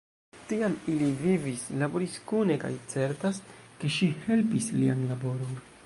Tiam ili vivis, laboris kune kaj certas, ke ŝi helpis lian laboron.